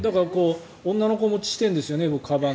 女の子持ちしてるんですよねかばん。